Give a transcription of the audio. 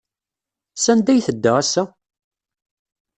Sanda ay tedda ass-a?